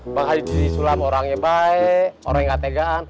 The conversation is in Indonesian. mbak haji sulam orangnya baik orangnya gak tegaan